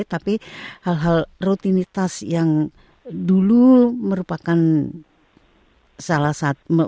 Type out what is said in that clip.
tapi hal hal rutinitas yang dulu merupakan salah satu